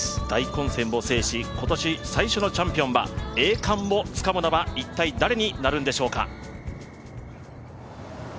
大混戦を制し、今年最初のチャンピオンは栄冠をつかむのは一体誰になるんでしょうか？